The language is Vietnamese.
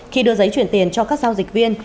khi đưa giấy chuyển tiền cho các giao dịch viên